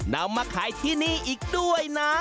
นำมาขายที่นี่อีกด้วยนะ